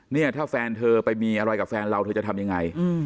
เนี่ยถ้าแฟนเธอไปมีอะไรกับแฟนเราเธอจะทำยังไง